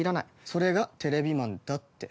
それがテレビマンだって。